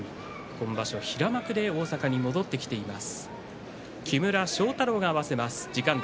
今場所、平幕で大阪に戻ってきています。